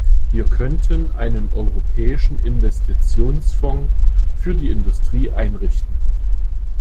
Wir könnten einen europäischen Investitionsfonds für die Industrie einrichten.